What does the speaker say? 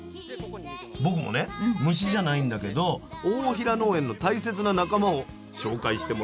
僕もね虫じゃないんだけど大平農園の大切な仲間を紹介してもらいましたよ。